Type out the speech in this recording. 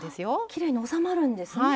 きれいに収まるんですね。